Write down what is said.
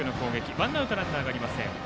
ワンアウトランナーがありません。